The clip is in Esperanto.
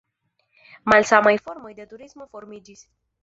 Malsamaj formoj de turismo formiĝis.